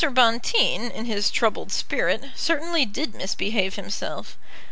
Bonteen, in his troubled spirit, certainly did misbehave himself.